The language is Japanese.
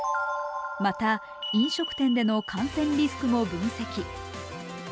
また、飲食店での感染リスクも分析。